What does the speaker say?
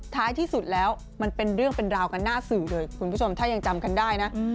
ท้ายที่สุดแล้วมันเป็นเรื่องเป็นราวกันหน้าสื่อเลยคุณผู้ชมถ้ายังจำกันได้นะ